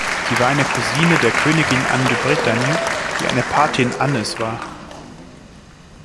Sie war eine Cousine der Königin Anne de Bretagne, die eine Patin Annes war.